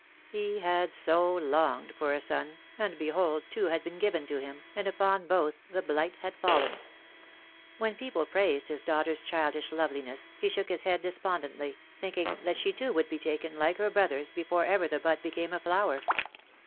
He had so longed for a son, and behold two had been given to him, and upon both the blight had fallen. When people praised his daughter's childish loveliness he shook his head despondently, thinking that 10 THE DAY WILL COME. she too would be taken, like her brothers, before ever the bud became a flower.